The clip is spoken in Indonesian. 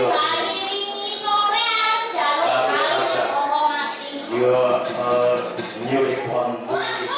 kesibukan sebagai dalang tidak membuat gimna melupakan sekolah